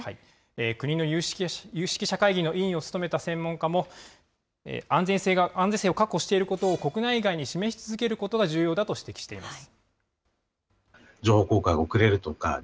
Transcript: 国の有識者会議の委員を務めた専門家も、安全性を確保していることを国内外に示し続けることが重要だと指摘しています。